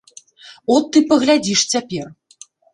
От ты паглядзіш цяпер.